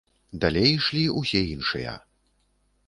Далей ішлі ўсе іншыя.